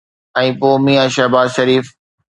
۽ پوءِ ميان شهباز شريف.